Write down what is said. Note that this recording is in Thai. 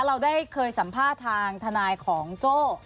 เราได้เคยสัมภาษณ์ทางทนายของโจ้